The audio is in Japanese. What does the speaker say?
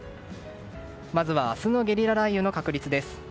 まずは明日のゲリラ雷雨の確率です。